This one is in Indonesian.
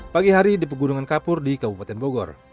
pagi hari di pegunungan kapur di kabupaten bogor